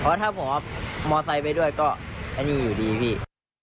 เพราะถ้าผมเอามอไซค์ไปด้วยก็อันนี้อยู่ดีพี่